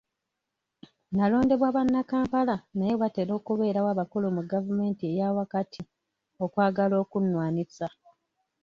Nalondebwa bannakampala naye watera okubeerawo abakulu mu gavumenti eyawakati okwagala okunwanyisa.